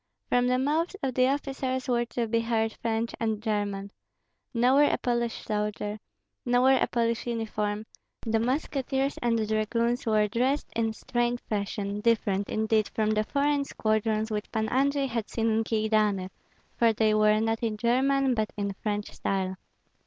From the mouths of the officers were to be heard French and German. Nowhere a Polish soldier, nowhere a Polish uniform; the musketeers and dragoons were dressed in strange fashion, different, indeed, from the foreign squadrons which Pan Andrei had seen in Kyedani, for they were not in German but in French style.